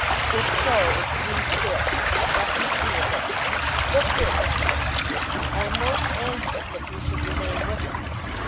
"If so, it's due still. I've nothing to do with that. Look here, Mr. Montague. I am most anxious that you should remain with us.